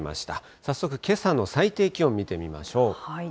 早速、けさの最低気温見てみましょう。